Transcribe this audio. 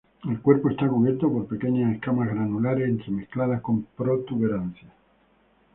El cuerpo está cubierto por pequeñas escamas granulares, entremezcladas con protuberancias.